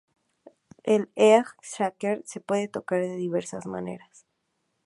El egg shaker se puede tocar de diversas maneras.